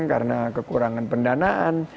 karena kekurangan pendanaan